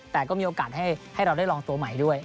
แต่ก็มีโอกาสให้เราได้ลองตัวใหม่ด้วย